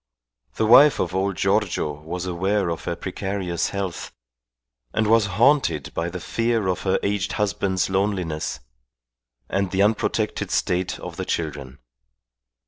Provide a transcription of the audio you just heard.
The wife of old Giorgio was aware of her precarious health, and was haunted by the fear of her aged husband's loneliness and the unprotected state of the children.